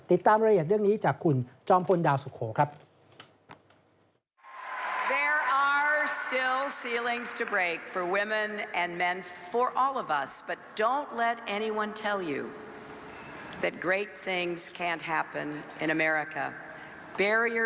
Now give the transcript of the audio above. ติดตามรายละเอียดเรื่องนี้จากคุณจอมพลดาวสุโขครับ